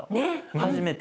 初めて。